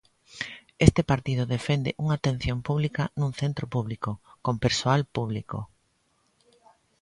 Este partido defende unha atención pública nun centro público, con persoal público.